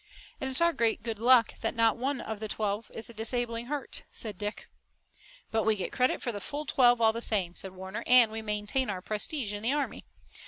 "And it's our great good luck that not one of the twelve is a disabling hurt," said Dick. "But we get the credit for the full twelve, all the same," said Warner, "and we maintain our prestige in the army.